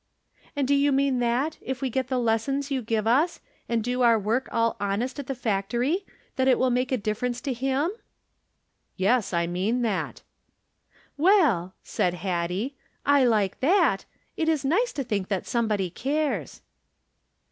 " And do you mean that, if we get the lessons you give us, and do our work all honest at the factory, that it will make a difference to Him?" " Yes, I mean that." " Well," said Hattie, " I like that. It is nice to think that somebody cares."